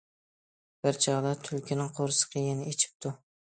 بىر چاغدا تۈلكىنىڭ قورسىقى يەنە ئېچىپتۇ.